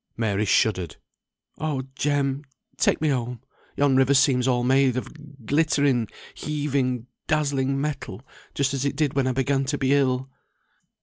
Mary shuddered. "Oh, Jem! take me home. Yon river seems all made of glittering, heaving, dazzling metal, just as it did when I began to be ill."